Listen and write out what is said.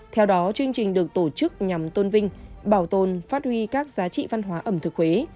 theo đó chương trình được tổ chức nhằm tôn vinh bảo tồn phát huy các giá trị văn hóa ẩm thực huế